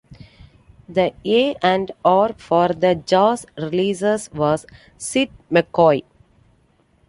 The A and R for the jazz releases was Sid McCoy.